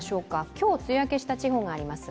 今日梅雨明けした地方があります。